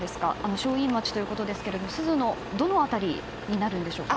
正院町ということですけれども珠洲の、どの辺りになるんでしょうか？